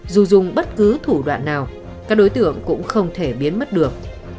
dù dùng bất cứ thủ đoạn nào các đối tượng cũng không thể biến mất được